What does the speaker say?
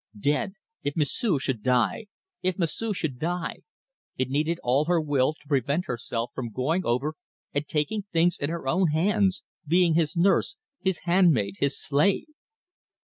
Dead if M'sieu' should die! If M'sieu' should die it needed all her will to prevent herself from going over and taking things in her own hands, being his nurse, his handmaid, his slave.